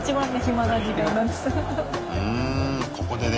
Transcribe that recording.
うんここで。